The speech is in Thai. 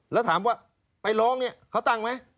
แล้วถามว่าไปร้องเนี่ยเขาตั้งไหม